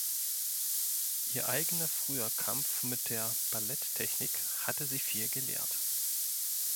Ihr eigener früher Kampf mit der Balletttechnik hatte sie viel gelehrt.